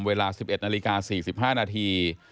เวลา๑๑นาฬิกา๔๕นาที